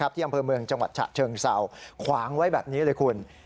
ที่อำเภอเมืองจังหวัดฉะเชิงเศร้าขวางไว้แบบนี้เลยคุณ